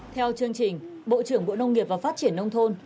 theo chương trình bộ trưởng bộ nông nghiệp và phát triển nông thôn